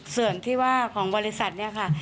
ส่วนที่ว่าของบริษัทเนี่ยค่ะ